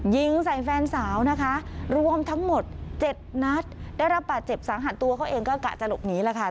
ยิงใส่แฟนสาวนะคะรวมทั้งหมด๗นัดได้รับบาดเจ็บสาหัสตัวเขาเองก็กะจะหลบหนีแหละค่ะ